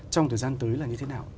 trong thời gian tới là như thế nào